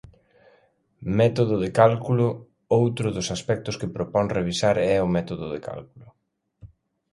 Método de cálculo Outro dos aspectos que propón revisar é o método de cálculo.